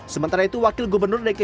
sementara itu wakil gubernur dki jakarta